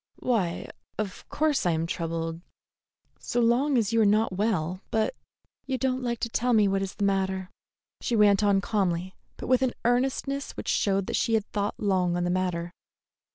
"Why, of course I am troubled, so long as you are not well, but " "You don't like to tell me what is the matter," she went on calmly, but with an earnestness which showed she had thought long on the matter.